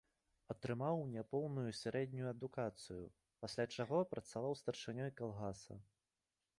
Атрымаў няпоўную сярэднюю адукацыю, пасля чаго працаваў старшынёй калгаса.